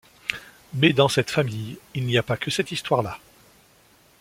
Mais dans cette famille, il n'y a pas que cette histoire là.